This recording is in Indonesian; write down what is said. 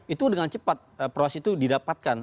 itu dengan cepat proses itu didapatkan